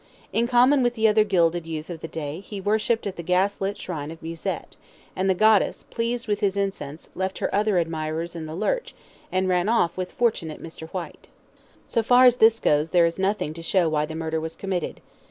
In common with the other gilded youth of the day, he worshipped at the gas lit shrine of Musette, and the goddess, pleased with his incense, left her other admirers in the lurch, and ran off with fortunate Mr. Whyte. So far as this goes there is nothing to show why the murder was committed.